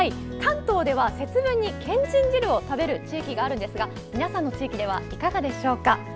関東では節分にけんちん汁を食べる地域があるんですが皆さんの地域ではいかがでしょうか。